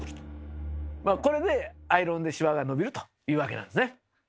まあこれでアイロンでシワが伸びるというわけなんですね。